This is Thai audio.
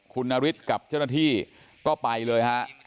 คุณนฤทธิ์กับเจ้าหน้าที่ก็ไปเลยฮะ